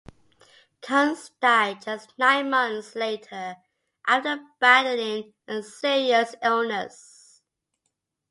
Kunz died just nine months later after battling a serious illness.